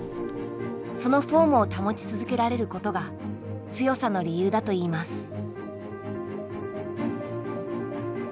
そのフォームを保ち続けられることが強さの理由だといいます。